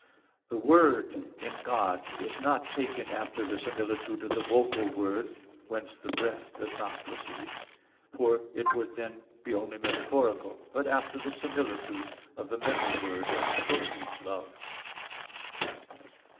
5: The Word in God is not taken after the similitude of the vocal word, whence the breath [spiritus] does not proceed; for it would then be only metaphorical; but after the similitude of the mental word, whence proceeds love.